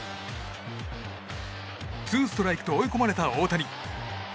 ツーストライクと追い込まれた大谷。